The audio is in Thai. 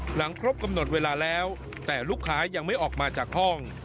หลังครบกำหนดเวลาแล้วแต่ลูกค้ายังไม่ออกมาจากห้อง